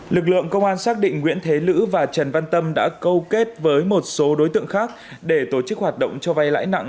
lực lượng công an xác định nguyễn thế lữ và trần văn tâm đã câu kết với một số đối tượng khác để tổ chức hoạt động cho vay lãi nặng